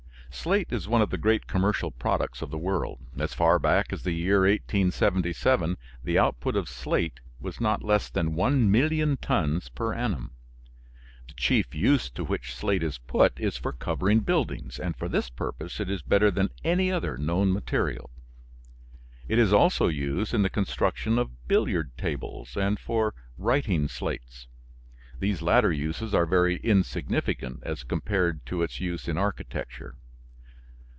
Slate is one of the great commercial products of the world. As far back as the year 1877 the output of slate was not less than 1,000,000 tons per annum. The chief use to which slate is put is for covering buildings, and for this purpose it is better than any other known material. It is also used in the construction of billiard tables and for writing slates; these latter uses are very insignificant as compared to its use in architecture.